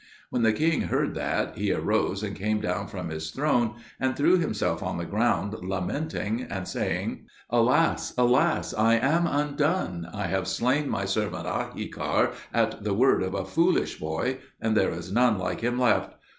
When the king heard that, he arose and came down from his throne, and threw himself on the ground lamenting and saying, "Alas, alas, I am undone. I have slain my servant Ahikar at the word of a foolish boy, and there is none like him left!